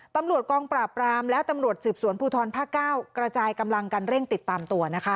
ตำรวจกองปราบรามและตำรวจสืบสวนภูทรภาค๙กระจายกำลังกันเร่งติดตามตัวนะคะ